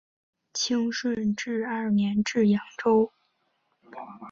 清顺治二年至扬州。